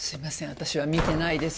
私は見てないです。